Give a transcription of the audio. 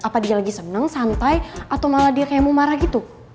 apa dia lagi seneng santai atau malah dia kayak mau marah gitu